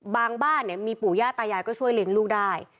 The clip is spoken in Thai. บ้านเนี่ยมีปู่ย่าตายายก็ช่วยเลี้ยงลูกได้